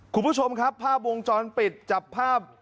คุณผู้ชมครับภาพวงจรปิดจับภาพ